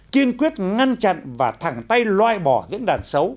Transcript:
kiên quyết ngăn chặn và thẳng tay loai bỏ diễn đàn xấu